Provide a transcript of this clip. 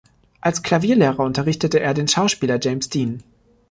Als Klavierlehrer unterrichtete er den Schauspieler James Dean.